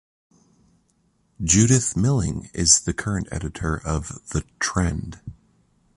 Judith Milling is the current editor of the "Trend".